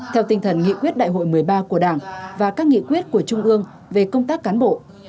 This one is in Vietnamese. theo tinh thần nghị quyết đại hội một mươi ba của đảng và các nghị quyết của trung ương về công tác cán bộ